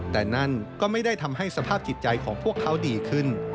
แต่นั่นก็ไม่ได้ทำให้สภาพจิตใจของพวกเขาดีขึ้น